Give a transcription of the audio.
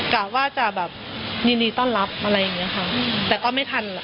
กะว่าจะแบบยินดีต้อนรับอะไรอย่างนี้ค่ะแต่ก็ไม่ทันล่ะ